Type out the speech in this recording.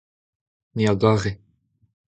ni a gare.